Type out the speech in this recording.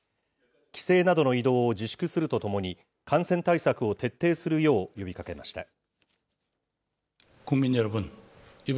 帰省などの移動を自粛するとともに、感染対策を徹底するよう呼びかけました。